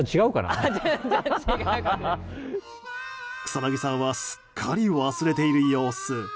草なぎさんはすっかり忘れている様子。